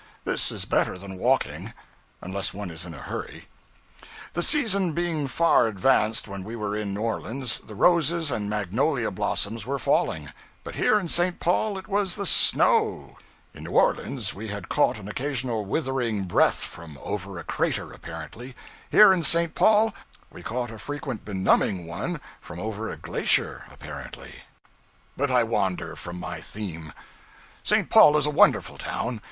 This is better than walking; unless one is in a hurry. The season being far advanced when we were in New Orleans, the roses and magnolia blossoms were falling; but here in St. Paul it was the snow, In New Orleans we had caught an occasional withering breath from over a crater, apparently; here in St. Paul we caught a frequent benumbing one from over a glacier, apparently. But I wander from my theme. St. Paul is a wonderful town.